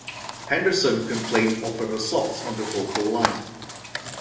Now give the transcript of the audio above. Henderson complained of her "assaults" on the vocal line.